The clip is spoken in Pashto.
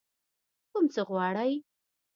کوم څه غواړئ؟